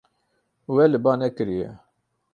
We li ba nekiriye.